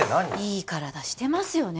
いい体してますよね